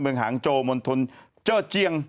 เมืองหางโจมนธนเจ้าเจียง